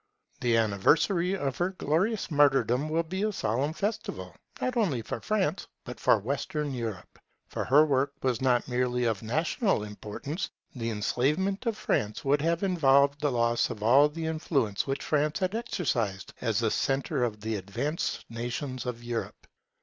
The anniversary of her glorious martyrdom will be a solemn festival, not only for France, but for Western Europe. For her work was not merely of national importance: the enslavement of France would have involved the loss of all the influence which France has exercised as the centre of the advanced nations of Europe.